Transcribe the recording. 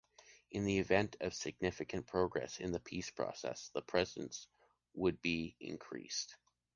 In the event of significant progress in the peace process, the presence would be increased.